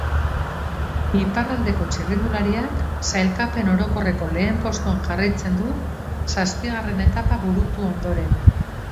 Iparraldeko txirrindulariak sailkapen orokorreko lehen postuan jarraitzen du zazpigarren etapa burutu ondoren.